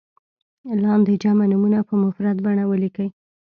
لاندې جمع نومونه په مفرد بڼه ولیکئ.